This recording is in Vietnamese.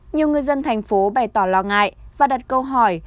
nhiều người dân thành phố bày tỏ lo ngại và đặt câu hỏi